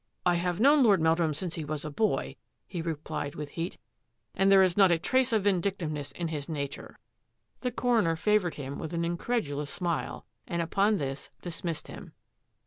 " I have known Lord Meldrum since he was a boy," he replied with heat, " and there is not a trace of vindictiveness in his nature." UNDER FIRE 187 The coroner favoured him with an incredulous smile and upon this dismissed him.